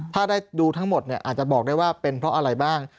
ถ้าได้ดูทั้งหมดเนี่ยอาจจะบอกได้ว่าเป็นเพราะอะไรบ้าง